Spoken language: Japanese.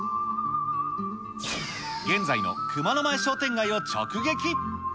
現在の熊野前商店街を直撃。